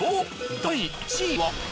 第１位は。